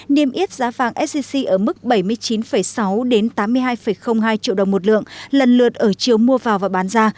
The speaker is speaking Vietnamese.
niêm yết giá vàng sgc ở mức bảy mươi chín sáu tám mươi hai hai triệu đồng một lượng lần lượt ở chiều mua vào và bán ra